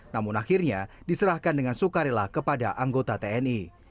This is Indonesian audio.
namun akhirnya diserahkan dengan sukarela kepada anggota tni